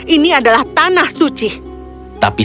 ini adalah tanah suci